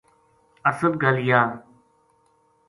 اصل گل یاہ